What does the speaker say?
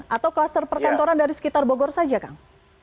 atau kluster perkantoran dari sekitar bogor saja kang